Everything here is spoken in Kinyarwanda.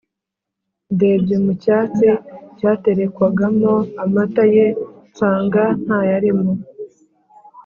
ndebye mucyatsi cyaterekwagamo amata ye nsanga ntayarimo